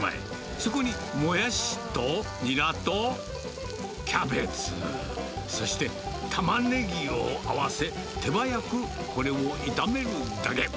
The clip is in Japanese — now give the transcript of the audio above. そこにモヤシとニラとキャベツ、そしてタマネギを合わせ、手早くこれを炒めるだけ。